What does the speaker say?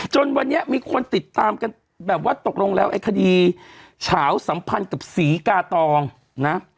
จนวันนี้มีคนติดตามกันแบบว่าตกลงแล้วไอ้คดีเฉาสัมพันธ์กับศรีกาตองนะ